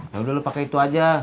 yaudah lu pake itu aja